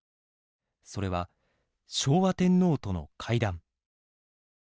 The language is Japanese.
それは昭和天皇との会談。